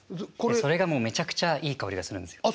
それがもうめちゃくちゃいい香りがするんですよ。